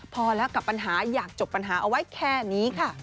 พอแล้วกับปัญหาอยากจบปัญหาเอาไว้แค่นี้ค่ะ